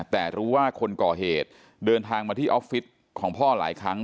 แต่รู้ว่าคนก่อเหตุเดินทางมาที่ออฟฟิศของพ่อหลายครั้ง